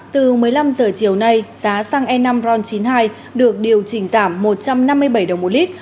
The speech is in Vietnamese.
từ một mươi năm h chiều nay giá xăng e năm ron chín mươi hai được điều chỉnh giảm một trăm năm mươi bảy đồng một lít